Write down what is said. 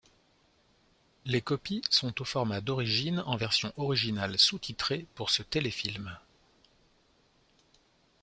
Les copies sont au format d'origine en version originale sous-titrée pour ce téléfilm.